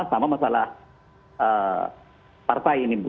sama masalah parpaian ibu